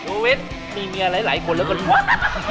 โอ้วิทย์มีเมียหลายคนแล้วก็ดี